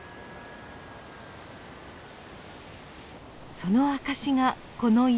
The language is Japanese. その証しがこの石。